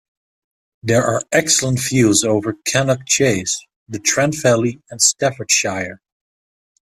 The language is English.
There are excellent views over Cannock Chase, the Trent Valley and Staffordshire.